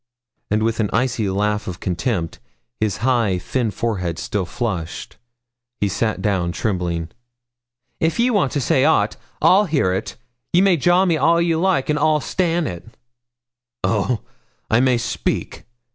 And with an icy laugh of contempt, his high, thin forehead still flushed, he sat down trembling. 'If you want to say aught, I'll hear ye. Ye may jaw me all ye like, and I'll stan' it.' 'Oh, I may speak?